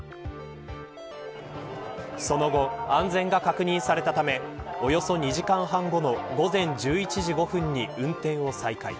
その後、安全が確認されたためおよそ２時間半後の午前１１時５分に運転を再開。